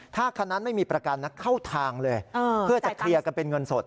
ถ้าคันนั้นไม่มีประกันนะเข้าทางเลยเพื่อจะเคลียร์กันเป็นเงินสด